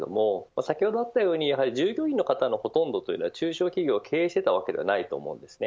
先ほどあったように従業員の方のほとんどは中小企業を経営していたわけではないと思います。